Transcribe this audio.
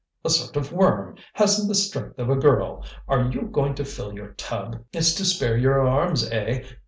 "A sort of worm; hasn't the strength of a girl! Are you going to fill your tub? It's to spare your arms, eh?